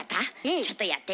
ちょっとやってみて。